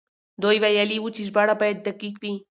دوی ويلي وو چې ژباړه بايد دقيق وي.